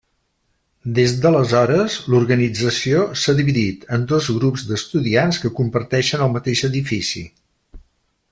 Des d'aleshores, l'organització s'ha dividit en dos grups d'estudiants que comparteixen el mateix edifici.